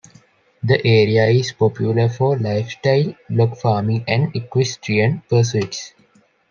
The area is popular for lifestyle block farming and equestrian pursuits.